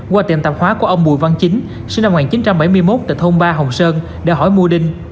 qua tiệm tạp hóa của ông bùi văn chính sinh năm một nghìn chín trăm bảy mươi một tại thôn ba hồng sơn đã hỏi mua đinh